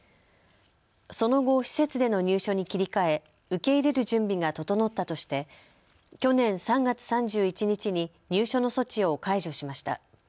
その後、施設での入所に切り替え受け入れる準備が整ったとして去年３月３１日に入所の措置を解除しました。